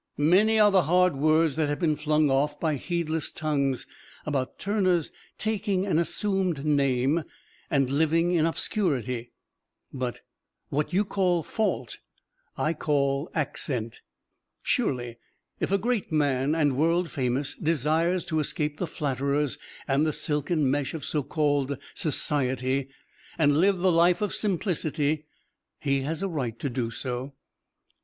Many are the hard words that have been flung off by heedless tongues about Turner's taking an assumed name and living in obscurity, but "what you call fault I call accent." Surely, if a great man and world famous desires to escape the flatterers and the silken mesh of so called society and live the life of simplicity, he has a right to do so.